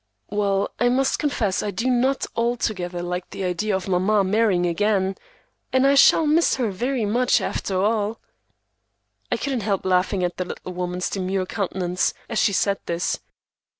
"Well, I must confess I do not altogether like the idea of mamma marrying again, and I shall miss her very much, after all." I couldn't help laughing at the little woman's demure countenance, as she said this.